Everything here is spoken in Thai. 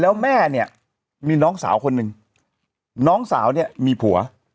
แล้วแม่เนี่ยมีน้องสาวคนหนึ่งน้องสาวเนี่ยมีผัว